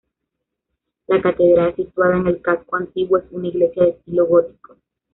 La catedral, situada en el casco antiguo, es una iglesia de estilo gótico.